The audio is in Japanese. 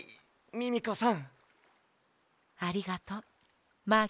ミミコさん。